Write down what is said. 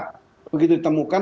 tapi kalau begitu ditemukan